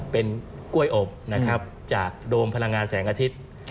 เป็นกล้วยอบนะครับจากโดมพลังงานแสงอาทิตย์